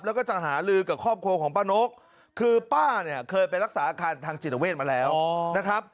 แล้วก็จะหาลือกับครอบครัวของป้านกคือป้าเนี่ยเคยไปรักษาอาการทางจิตเวทมาแล้วนะครับ